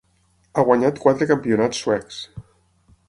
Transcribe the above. Ha guanyat quatre campionats suecs.